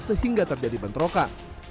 sehingga terjadi bentroka